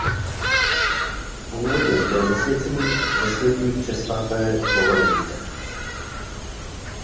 Původně byl zasvěcený Zesnutí Přesvaté Bohorodice.